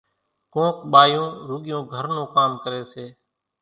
ڪونڪ ٻايُون رُوڳِيون گھر نوز ڪام ڪريَ سي